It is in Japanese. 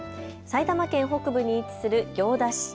埼玉県北部に位置する行田市。